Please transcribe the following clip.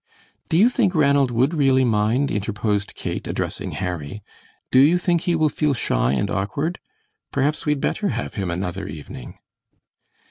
"Do you think Ranald would really mind?" interposed Kate, addressing Harry. "Do you think he will feel shy and awkward? Perhaps we'd better have him another evening."